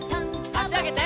あしあげて。